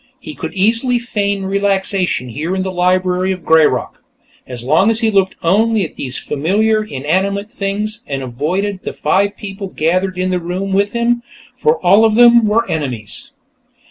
He could easily feign relaxation here in the library of "Greyrock," as long as he looked only at these familiar inanimate things and avoided the five people gathered in the room with him, for all of them were enemies.